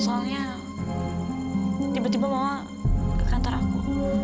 soalnya tiba tiba mau ke kantor aku